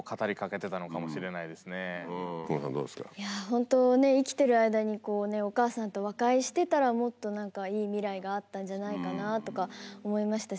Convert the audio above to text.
ホント生きてる間にお母さんと和解してたらもっと何かいい未来があったんじゃないかなとか思いましたし。